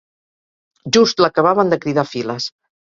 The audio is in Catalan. Just l'acabaven de cridar a files.